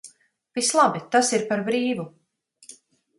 Viss labi, tas ir par brīvu.